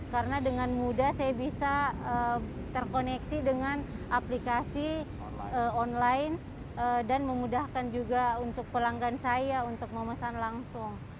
karena dengan mudah saya bisa terkoneksi dengan aplikasi online dan memudahkan juga untuk pelanggan saya untuk memesan langsung